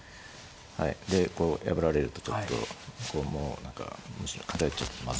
はいでこう破られるとちょっとこうもう何かむしろ偏っちゃってまずいんで。